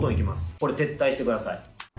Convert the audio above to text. これ、撤退してください。